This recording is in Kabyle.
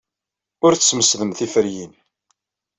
Ur tesmesdem tiferyin.